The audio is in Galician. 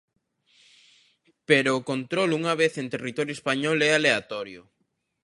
Pero o control unha vez en territorio español é aleatorio.